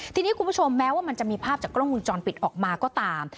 ทีนี้คุณผู้ชมแม้ว่ามันจะมีภาพจากกล้องวงจรปิดออกมาก็ตาม